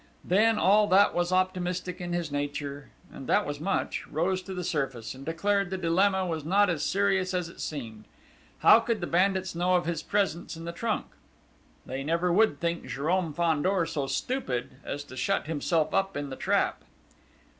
Then all that was optimistic in his nature and that was much rose to the surface, and declared the dilemma was not as serious as it seemed.... How could the bandits know of his presence in the trunk? They never would think Jérôme Fandor so stupid as to shut himself up in the trap!